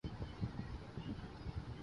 ہمیں بھی ان حالات میں زندگی گزارنا چاہیے